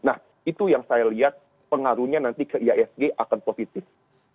nah itu yang saya lihat pengaruhnya nanti ke iasg akan positif